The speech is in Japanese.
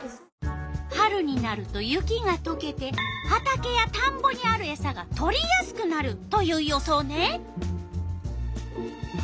春になると雪がとけて畑やたんぼにあるエサがとりやすくなるという予想ね。